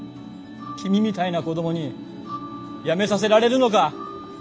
君みたいな子供に辞めさせられるのか。